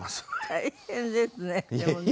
大変ですねでもね。